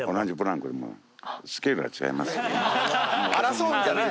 争うんじゃない。